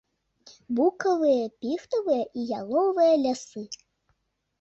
Букавыя, піхтавыя і яловыя лясы.